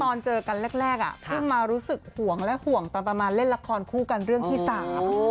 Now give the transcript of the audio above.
ตอนเจอกันแรกขึ้นมารู้สึกห่วงและห่วงประมาณเล่นละครคู่กันเรื่องที่สาม